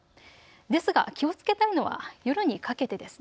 ですが気をつけたいのは夜にかけてです。